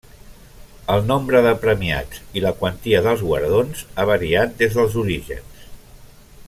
El nombre de premiats i la quantia dels guardons ha variat des dels orígens.